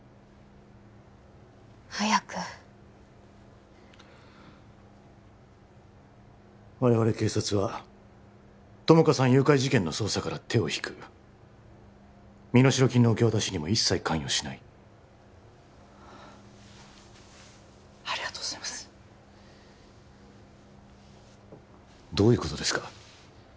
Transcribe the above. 早く我々警察は友果さん誘拐事件の捜査から手を引く身代金の受け渡しにも一切関与しないありがとうございますどういうことですか？